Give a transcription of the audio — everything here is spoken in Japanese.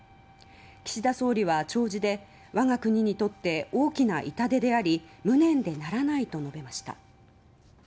岸田総理は弔辞で我が国にとって大きな痛手であり無念でならないと述べました。